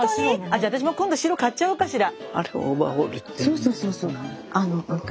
じゃ私も今度白買っちゃおうかしら？